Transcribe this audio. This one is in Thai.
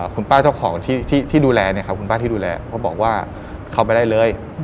คุณป้าเจ้าของที่ดูแลเนี่ยครับคุณป้าที่ดูแลเขาบอกว่าเข้าไปได้เลย